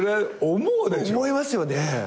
思いますよね。